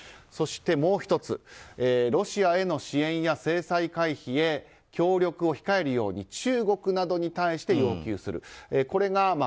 そしてもう１つロシアへの支援や制裁回避へ協力を控えるように中国などに対して要求する。